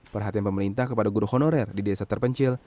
perhatian pemerintah kepada guru honorer di desa terpencil